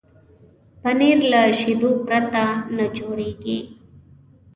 پنېر له شیدو پرته نه جوړېږي.